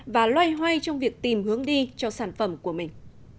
và loay hoay trong việc tìm hướng đi cho sản phẩm của mình